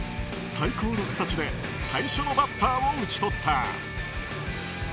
最高の形で最初のバッターを打ち取った。